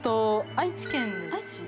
愛知県で。